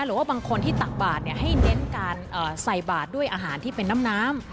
หรือว่าบางคนที่ตักบาทให้เน้นการใส่บาทด้วยอาหารที่เป็นน้ำน้ำ